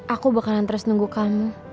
aku bakalan terus nunggu kamu